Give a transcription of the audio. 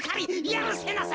やるせなさ。